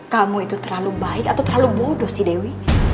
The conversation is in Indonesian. kamu itu terlalu baik atau terlalu bodoh si dewi